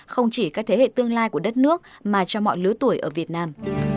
không chỉ các thế hệ tương lai của đất nước mà cho mọi lứa tuổi ở việt nam